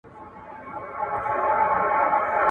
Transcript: نه له خلوته څخه شېخ، نه له مغانه خیام.